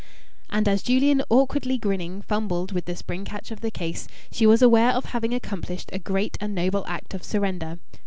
And as Julian, awkwardly grinning, fumbled with the spring catch of the case, she was aware of having accomplished a great and noble act of surrender.